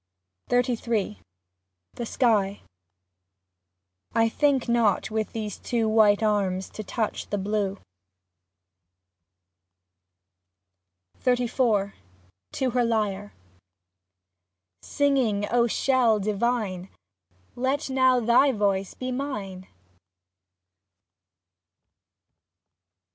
XXXIII THE SKY I THINK not with these two White arms to touch the blue. 43 XXXIV TO HER LYRE Singing, O shell, divine ! Let now thy voice be mine.